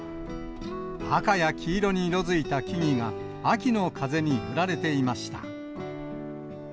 赤や黄色に色づいた木々が、秋の風に揺られていました。